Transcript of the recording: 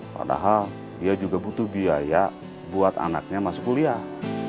padahal dia juga butuh biaya buat anaknya masuk kuliah